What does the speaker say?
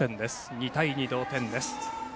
２対２、同点です。